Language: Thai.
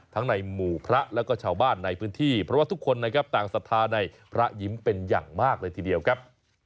ในหมู่พระแล้วก็ชาวบ้านในพื้นที่เพราะว่าทุกคนนะครับต่างศรัทธาในพระยิ้มเป็นอย่างมากเลยทีเดียวครับ